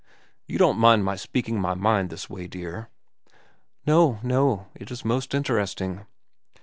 You don't mind my speaking my mind this way, dear?" "No, no; it is most interesting."